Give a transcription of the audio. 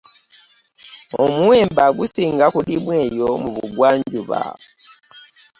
Omuwemba gusinga kulimwa eyo mu bugwanjuba.